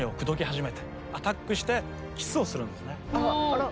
あら！